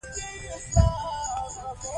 ځوانان د وینې په مینځ کې مقاومت کوي.